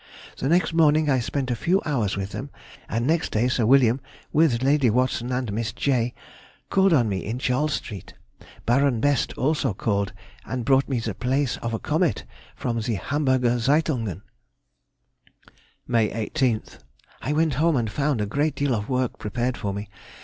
The next morning I spent a few hours with them, and next day Sir William, with Lady Watson and Miss Jay, called on me in Charles Street. Baron Best also called and brought me the place of a comet from the "Hamburger Zeitungen." [Sidenote: 1814. Extracts from Diary.] May 18th.—I went home and found a great deal of work prepared for me.